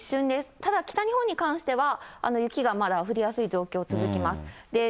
ただ、北日本に関しては、雪がまだ降りやすい状況続きます。